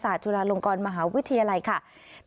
คณะภาควิชาชีววะวิทยาคณะวิทยาศาสตร์จุฬาลงกรมหาวิทยาลัยค่ะ